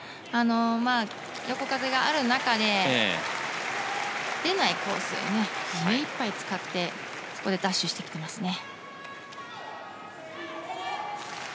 横風がある中で打てないコースを目いっぱい使って、そこでダッシュしてきてますね。